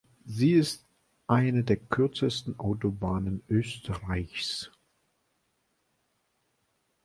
Sie ist eine der kürzesten Autobahnen Österreichs.